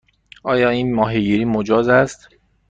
آیا اینجا ماهیگیری مجاز است؟